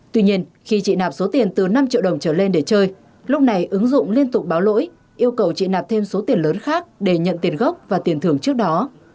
tuy nhiên khi chị nạp số tiền từ năm triệu đồng trở lên để chơi lúc này ứng dụng liên tục báo lỗi yêu cầu chị nạp thêm số tiền lớn khác để nhận tiền gốc và tiền thưởng trước đó